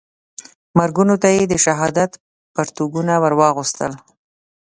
مرګونو ته یې د شهادت پرتګونه وراغوستل.